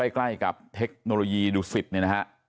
ใกล้กับเทคโนโลยีดูสิตเนี่ยนะฮะ